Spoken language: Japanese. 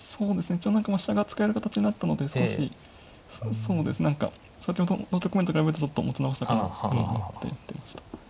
一応飛車が使える形になったので少し何か先ほどの局面と比べるとちょっと持ち直したかなと思ってやってました。